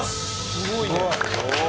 すごいね！